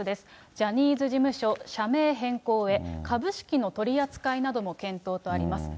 ジャニーズ事務所社名変更へ、株式の取り扱いなども検討とあります。